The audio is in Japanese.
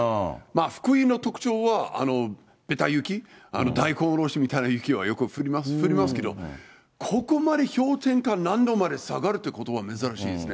福井の特徴はべた雪、大根おろしみたいな雪はよく降りますけど、ここまで氷点下何度まで下がるってことは珍しいですね。